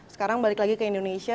sekarang balik lagi ke indonesia